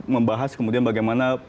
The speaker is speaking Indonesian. membahas kemudian bagaimana